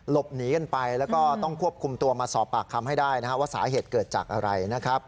หลบหนีกันไปแล้วก็ต้องควบคุมตัวมาสอบปากคำให้ได้นะครับว่าสาเหตุเกิดจากอะไรนะครับ